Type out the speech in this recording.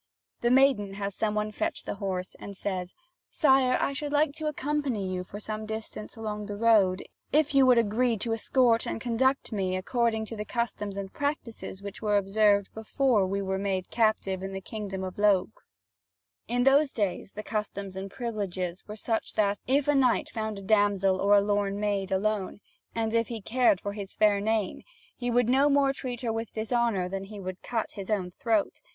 The maiden has some one fetch the horse, and says: "Sire, I should like to accompany you for some distance along the road, if you would agree to escort and conduct me according to the customs and practices which were observed before we were made captive in the kingdom of Logres." In those days the customs and privileges were such that, if a knight found a damsel or lorn maid alone, and if he cared for his fair name, he would no more treat her with dishonour than he would cut his own throat.